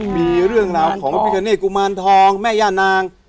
มีเรื่องราวของพระพิกาเนตกุมารทองแม่ย่านาง